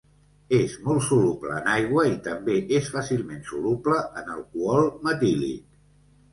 És molt soluble en aigua i també és fàcilment soluble en alcohol metílic.